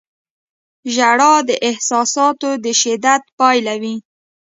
• ژړا د احساساتو د شدت پایله وي.